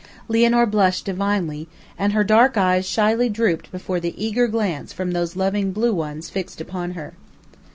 Lianor blushed divinely, and her dark eyes shyly drooped before the eager glance from those loving blue ones fixed upon her.